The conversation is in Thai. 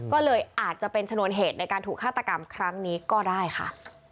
ก็เลยอาจจะเป็นชนวนเหตุในการถูกฆาตกรรมครั้งนี้ก็ได้ค่ะ